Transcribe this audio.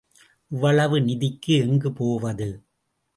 இவ்வளவு நிதிக்கு எங்குப் போவது?